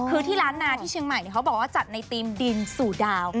คือที่ร้านนาที่เชียงใหม่เขาบอกว่าจัดในธีมดินสู่ดาว